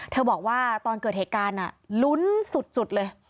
บอกว่าตอนเกิดเหตุการณ์ลุ้นสุดเลย